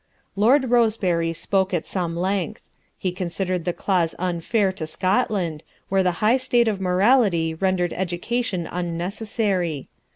Lord Rosebery spoke at some length. He considered the clause unfair to Scotland, where the high state of morality rendered education unnecessary.